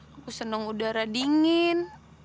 aku seneng udara dingin